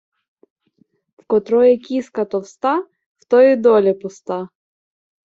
В котрої кіска товста, в тої доля пуста.